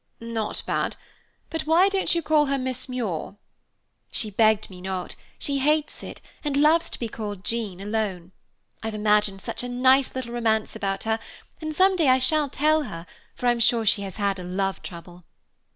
"Not bad; but why don't you call her Miss Muir?" "She begged me not. She hates it, and loves to be called Jean, alone. I've imagined such a nice little romance about her, and someday I shall tell her, for I'm sure she has had a love trouble."